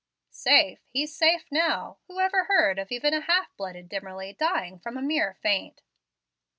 "Safe! He's safe now. Who ever heard of even a half blooded Dimmerly dying from a mere faint?